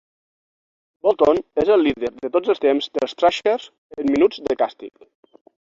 Bolton és el líder de tots els temps dels Thrashers en minuts de càstig.